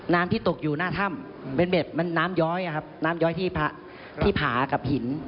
ที่ตกอยู่หน้าถ้ำเป็นเบ็ดมันน้ำย้อยครับน้ำย้อยที่ผากับหิน